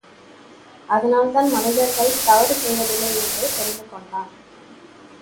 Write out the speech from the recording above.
அதனால்தான் மனிதர்கள் தவறு செய்வதில்லை என்று தெரிந்து கொண்டான்.